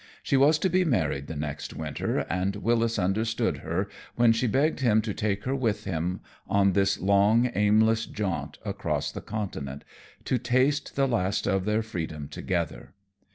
She was to be married the next winter, and Wyllis understood her when she begged him to take her with him on this long, aimless jaunt across the continent, to taste the last of their freedom together.